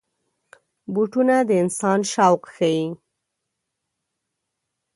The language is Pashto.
بوټونه د انسان شوق ښيي.